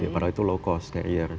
padahal itu low cost